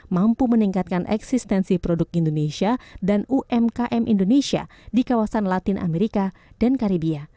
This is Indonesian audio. mampu meningkatkan eksistensi produk indonesia dan umkm indonesia di kawasan latin amerika dan karibia